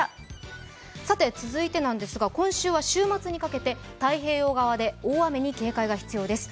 続いて、今週は週末に掛けて太平洋側で大雨に警戒が必要です。